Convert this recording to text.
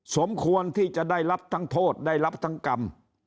สมควรที่จะได้รับทั้งโทษได้รับทั้งกรรม